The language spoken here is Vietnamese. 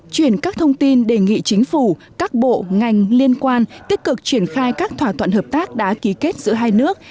chuyển các thông tin đề nghị chính phủ các bộ ngành liên quan tích cực triển khai các thỏa thuận hợp tác đã ký kết giữa hai nước